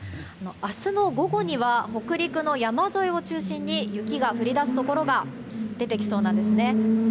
明日の午後には北陸の山沿いを中心に雪が降り出すところが出てきそうなんですね。